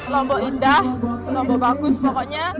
lombok indah lombok bagus pokoknya